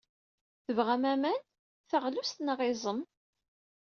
Tebɣam aman, taɣlust neɣ iẓem?